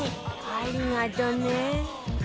ありがとうね